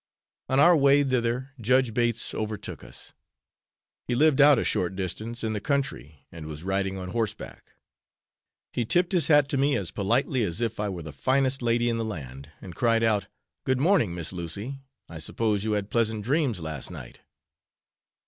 On our way thither, Judge Bates overtook us. He lived out a short distance in the country, and was riding on horseback. He tipped his hat to me as politely as if I were the finest lady in the land, and cried out, "Good morning Miss Lucy, I suppose you had pleasant dreams last night!"